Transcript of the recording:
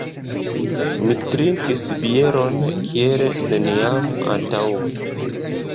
Mi trinkis bieron kiel neniam antaŭe.